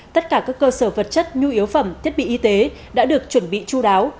tất cả các cơ sở vật chất nhu yếu phẩm thiết bị y tế đã được chuẩn bị chú đáo